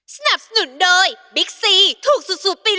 สวัสดีค่ะ